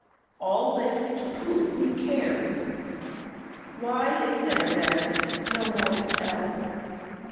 All this to prove we cared. Why is there then No more to tell?